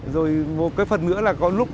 rồi một cái phần nữa là có lúc